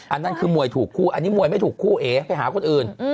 อันนั้นคือมวยถูกคู่อันนี้มวยไม่ถูกคู่เอไปหาคนอื่น